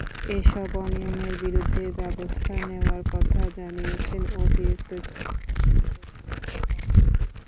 এসব অনিয়মের বিরুদ্ধে ব্যবস্থা নেওয়ার কথা জানিয়েছেন অতিরিক্ত জেলা ম্যাজিস্ট্রেট মোস্তফা কামাল।